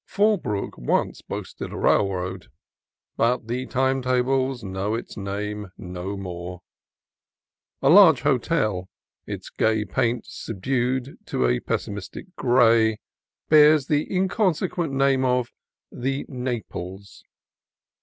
Fall brook once boasted a railroad, but the time tables know its name no more. A large hotel, its gay paint subdued to a pessimistic gray, bears the inconse quent name of "The Naples."